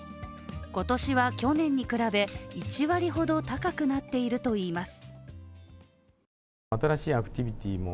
今年は去年に比べ、１割ほど高くなっているといいます。